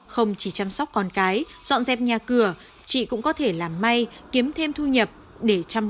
không chỉ chăm sóc con cái dọn dẹp nhà cửa chị cũng có thể làm may kiếm thêm thu nhập để chăm lo cho gia đình